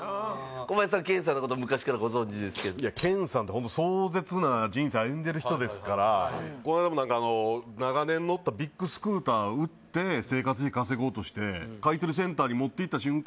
コバヤシさんケンさんのこと昔からご存じですけどケンさんってホント壮絶な人生歩んでる人ですからこの間も何か長年乗ったビッグスクーター売って生活費稼ごうとして買い取りセンターに持っていった瞬間